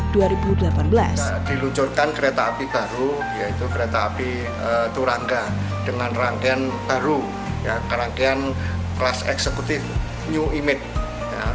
diluncurkan kereta api baru yaitu kereta api turangga dengan rangkaian baru rangkaian kelas eksekutif new image